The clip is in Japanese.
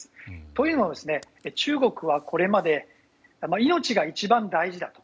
というのは、中国はこれまで命が一番大事だと。